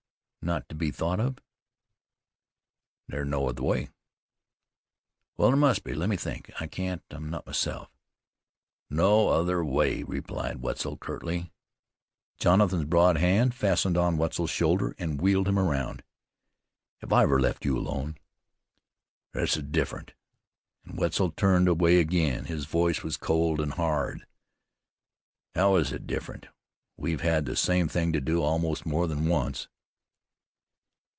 "Not to be thought of." "Ther's no other way." "There must be! Let me think; I can't, I'm not myself." "No other way," repeated Wetzel curtly. Jonathan's broad hand fastened on Wetzel's shoulder and wheeled him around. "Have I ever left you alone?" "This's different," and Wetzel turned away again. His voice was cold and hard. "How is it different? We've had the same thing to do, almost, more than once."